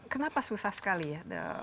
kenapa susah sekali ya